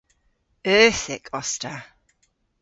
Euthyk os ta.